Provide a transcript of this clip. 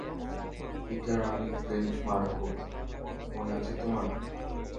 Peter, আমি Flint Marko, মনে আছে তোমার?